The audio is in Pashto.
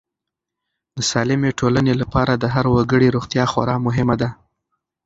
د سالمې ټولنې لپاره د هر وګړي روغتیا خورا مهمه ده.